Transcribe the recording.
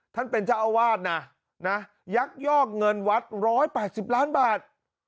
ท่านเป็นเจ้าอาวาสนะยักยอกเงินวัด๑๘๐ล้านบาท